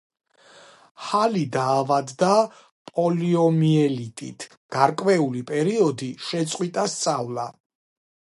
ჰალი დაავადდა პოლიომიელიტით, გარკვეული პერიოდი შეწყვიტა სწავლა.